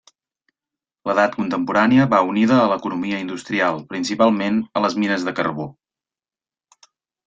L'Edat Contemporània va unida a l'economia industrial, principalment a les mines de carbó.